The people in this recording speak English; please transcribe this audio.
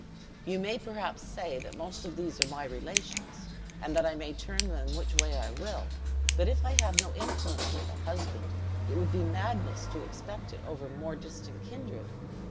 You may perhaps say, that most of these are my relations, and that I may turn them which way I will; but if I have no influence with a husband, it would be madness to expect it over more distant kindred.